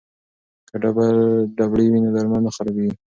که ډبلي وي نو درمل نه خرابېږي.